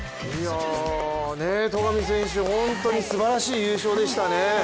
戸上選手、本当にすばらしい優勝でしたね。